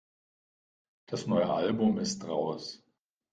Das neue Album ist raus.